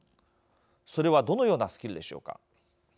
それはどのようなスキルでしょうか。